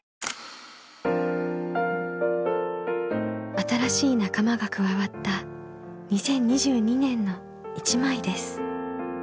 新しい仲間が加わった２０２２年の一枚です。